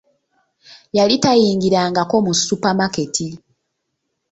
Yali tayingirangako mu supamaketi,